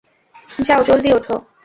যাও জলদি ওঠো।